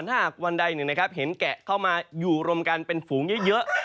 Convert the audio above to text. ถ้าหากวันใดเห็นแกะเข้ามาอยู่รวมกันเป็นฝูงเยอะ